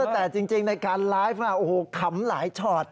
แต่จริงในการไลฟ์โอ้โหขำหลายชอต